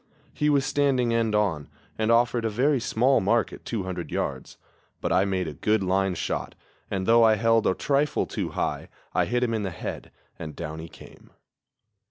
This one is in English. He was standing end on, and offered a very small mark at 200 yards; but I made a good line shot, and, though I held a trifle too high, I hit him in the head, and down he came.